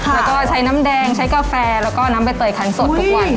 แล้วก็ใช้น้ำแดงใช้กาแฟแล้วก็น้ำใบเตยคันสดทุกวัน